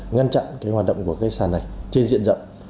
ngăn chặn hoạt động của sàn này trên diện rộng